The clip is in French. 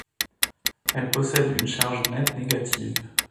Elle possède une charge nette négative.